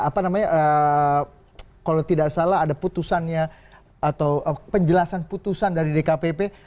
apa namanya kalau tidak salah ada putusannya atau penjelasan putusan dari dkpp